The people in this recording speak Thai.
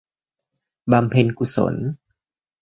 บำเพ็ญกุศล